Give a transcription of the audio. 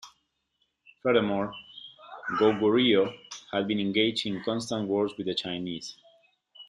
Furthermore, Goguryeo had been engaged in constant wars with the Chinese.